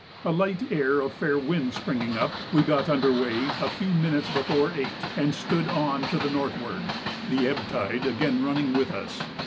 A light air of fair wind springing up, we got under weigh at a few minutes before 8, and stood on to the northward, the ebb tide again running with us.